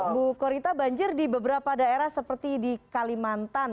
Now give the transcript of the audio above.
bu korita banjir di beberapa daerah seperti di kalimantan